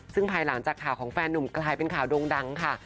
ซึ่งภายหลังจากข่าวของแฟนหนุ่มกลายเป็นข่าวโด่งดังค่ะ